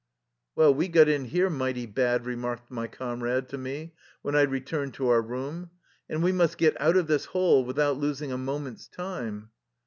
" Well, we got in here mighty bad," remarked my comrade to me when I returned to our room. " And we must get out of this hole without los ing a moment's time."